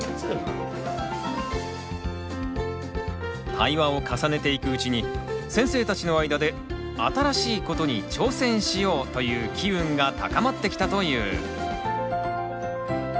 対話を重ねていくうちに先生たちの間で「新しいことに挑戦しよう」という機運が高まってきたという。